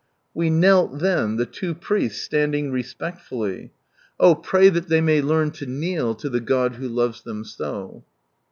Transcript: We knelt then, the two priests standing respectfully. Oh, pray that they may learn to in«/ to the Cod who loves them so.